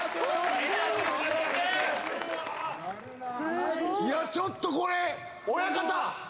すごいいやちょっとこれ親方！